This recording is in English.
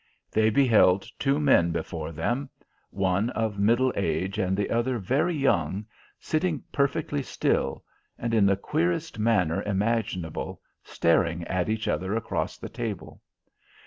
They beheld two men before them, one of middle age and the other very young, sitting perfectly still, and in the queerest manner imaginable staring at each other across the table.